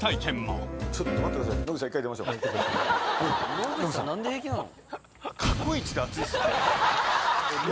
野口さん何で平気なの？